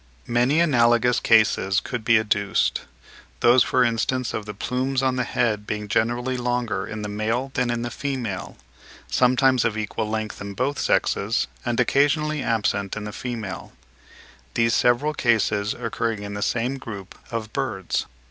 Many analogous cases could be adduced; those for instance of the plumes on the head being generally longer in the male than in the female, sometimes of equal length in both sexes, and occasionally absent in the female,—these several cases occurring in the same group of birds.